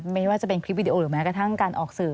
ไม่ว่าจะเป็นคลิปวิดีโอหรือแม้กระทั่งการออกสื่อ